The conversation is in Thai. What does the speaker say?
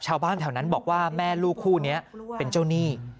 ชาวบ้านแถวนั้นบอกว่าแม่ลูกคู่นี้เป็นเจ้าหนี้